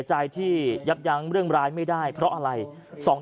ชาวบ้านญาติโปรดแค้นไปดูภาพบรรยากาศขณะ